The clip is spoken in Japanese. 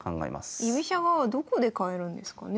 居飛車側はどこで変えるんですかね？